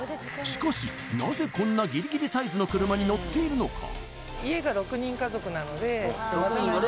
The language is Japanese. しかしなぜこんなギリギリサイズの車に乗っているのか？